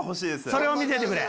それを見せてくれ。